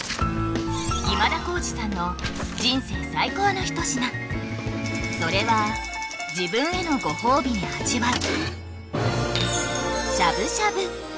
今田耕司さんの人生最高の一品それは自分へのご褒美に味わう